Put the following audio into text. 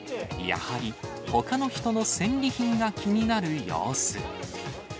やはりほかの人の戦利品が気になる様子。